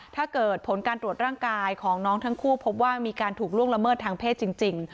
ถ้าเกิดผลการตรวจร่างกายของน้องทั้งคู่พบว่ามีการถูกล่วงละเมิดทางเพศจริง